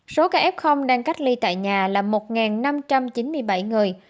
số ca f đang cách ly tại nhà là một năm trăm chín mươi bảy người